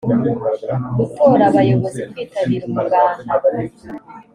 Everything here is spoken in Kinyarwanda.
gutora abayobozi kwitabira umuganda